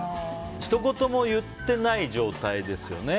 ひと言も言ってない状態ですよね。